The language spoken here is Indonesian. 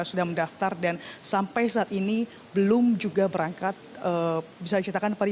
yang sudah mendaftar dan sampai saat ini belum juga berangkat bisa dicatakan pak ali